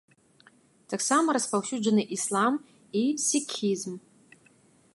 Таксама распаўсюджаны іслам і сікхізм.